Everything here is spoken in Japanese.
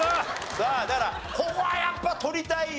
さあだからここはやっぱ取りたいよ。